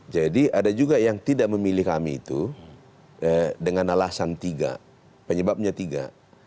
jadi ada juga yang tidak memilih kami itu dengan alasan tiga penyebabnya tiga